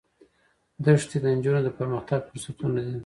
دښتې د نجونو د پرمختګ فرصتونه دي.